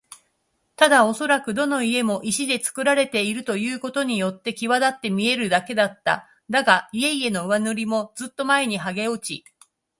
ただおそらくどの家も石でつくられているということによってきわだって見えるだけだった。だが、家々の上塗りもずっと前にはげ落ち、